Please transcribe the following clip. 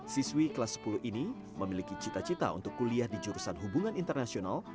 siswi kelas sepuluh ini memiliki cita cita untuk kuliah di jurusan hubungan internasional